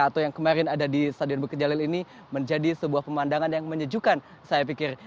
atau yang kemarin ada di stadion bukit jalil ini menjadi sebuah pemandangan yang menyejukkan saya pikir